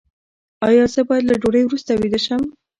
ایا زه باید له ډوډۍ وروسته ویده شم؟